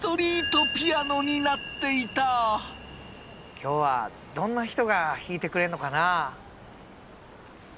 今日はどんな人が弾いてくれんのかなあ？